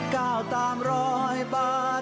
ก้าวตามร้อยบาทองค์พระราชา